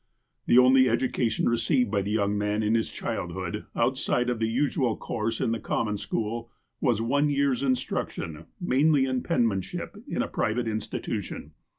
The only education received by the young man in his childhood, outside of the usual course in the common school, was one year's instruction, mainly in penmanship, iu a private institution.